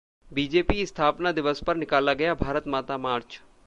BJP स्थापना दिवस पर निकाला गया भारत माता मार्च